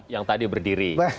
yang tadi berdiri